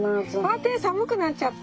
あ手寒くなっちゃった！